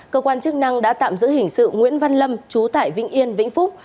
cơ quan chức năng đã tạm giữ hình sự nguyễn văn lâm chú tại vĩnh yên vĩnh phúc